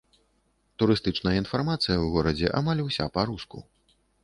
Турыстычная інфармацыя ў горадзе амаль уся па-руску.